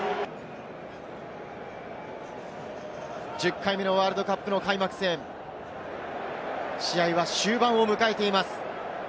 １０回目のワールドカップの開幕戦、試合は終盤を迎えています。